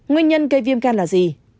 nguyên nhân gây viêm gan là gì